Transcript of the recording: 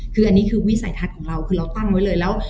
คืออันนี้คือวิสัยทัศน์ของเราคือเราตั้งไว้เลยแล้ว